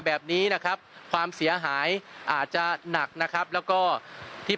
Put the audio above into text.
แบบนี้นะครับความเสียหายอาจจะหนักนะครับแล้วก็ที่